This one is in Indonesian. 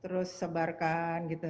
terus sebarkan gitu